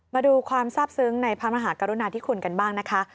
มาดูความทราบซึ้งในพระมหากรุณาธิคุณกันบ้างนะคะ